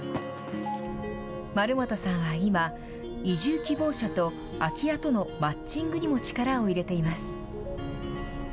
丸本さんは今移住希望者と空き家とのマッチングにも力を入れています。